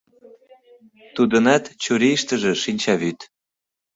Тудынат чурийыштыже — шинчавӱд.